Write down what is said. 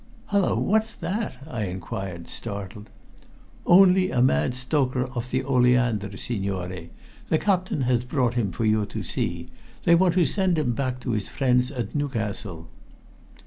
"Hulloa, what's that?" I enquired, startled. "Only a mad stoker off the Oleander, signore. The captain has brought him for you to see. They want to send him back to his friends at Newcastle."